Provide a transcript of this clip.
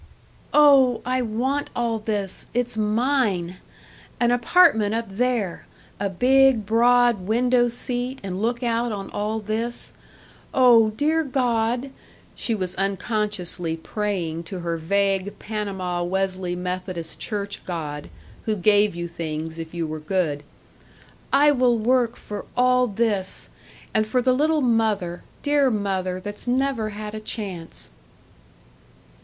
"Oh, I want all this it's mine!... An apartment up there a big, broad window seat, and look out on all this. Oh, dear God," she was unconsciously praying to her vague Panama Wesley Methodist Church God, who gave you things if you were good, "I will work for all this.... And for the little mother, dear mother that's never had a chance."